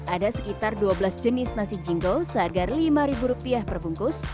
ada sekitar dua belas jenis nasi jingo seharga lima ribu rupiah per bungkus